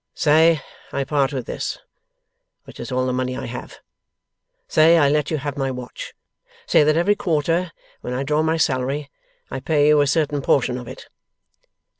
'Say I part with this, which is all the money I have; say I let you have my watch; say that every quarter, when I draw my salary, I pay you a certain portion of it.